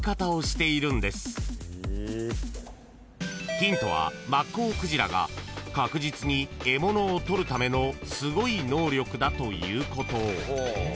［ヒントはマッコウクジラが確実に獲物をとるためのすごい能力だということ］